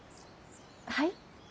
はい？